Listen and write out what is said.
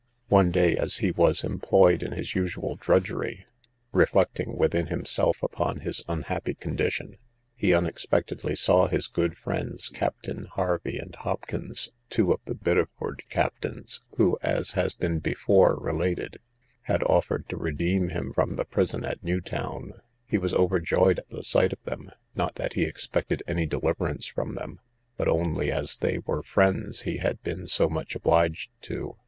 One day, as he was employed in his usual drudgery, reflecting within himself upon his unhappy condition, he unexpectedly saw his good friends, Captains Hervey and Hopkins, two of the Biddeford captains, who, as has been before related, had offered to redeem him from the prison at New Town; he was overjoyed at the sight of them, not that he expected any deliverance from them, but only as they were friends he had been so much obliged to.